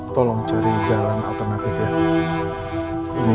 tolong cari jalan alternatif ya